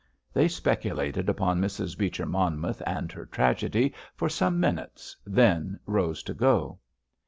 They speculated upon Mrs. Beecher Monmouth and her tragedy for some minutes, then rose to go.